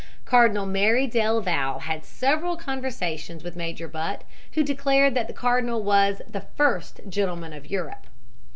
Cardinal Merry del Val had several conversations with Major Butt, who declared that the cardinal was "the first gentleman of Europe."